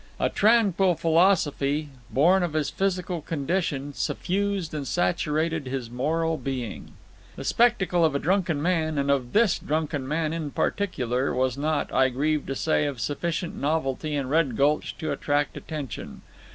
A tranquil philosophy, born of his physical condition, suffused and saturated his moral being. The spectacle of a drunken man, and of this drunken man in particular, was not, I grieve to say, of sufficient novelty in Red Gulch to attract attention.